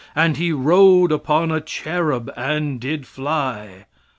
and he rode upon a cherub and did fly?"